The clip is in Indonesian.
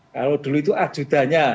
kalau dulu itu ajudannya